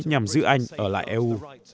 nhằm giữ anh ở lại eu